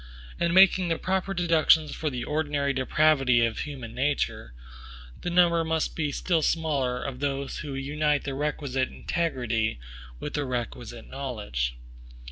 And making the proper deductions for the ordinary depravity of human nature, the number must be still smaller of those who unite the requisite integrity with the requisite knowledge.